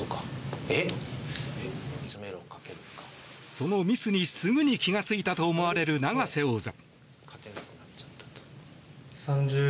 そのミスに、すぐに気が付いたと思われる永瀬王座。